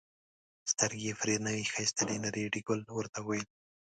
سترګې پرې نه ښایستلې نو ریډي ګل ورته وویل.